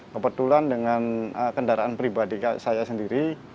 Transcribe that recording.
kebetulan dengan kendaraan pribadi saya sendiri